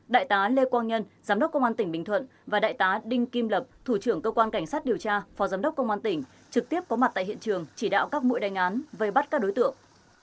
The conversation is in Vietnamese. đại tá lê quang nhân giám đốc công an tỉnh bình thuận và đại tá đinh kim lập thủ trưởng cơ quan cảnh sát điều tra phó giám đốc công an tỉnh trực tiếp có mặt tại hiện trường chỉ đạo các mũi đánh án về bắt các đối tượng